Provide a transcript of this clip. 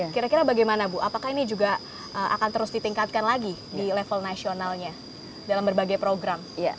kira kira bagaimana bu apakah ini juga akan terus ditingkatkan lagi di level nasionalnya dalam berbagai program